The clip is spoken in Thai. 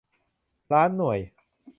ล้านหน่วย